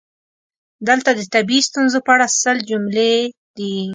دلته د طبیعي ستونزو په اړه سل جملې دي: